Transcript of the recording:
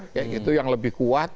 kayak gitu yang lebih kuat